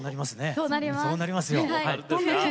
そうなりますね。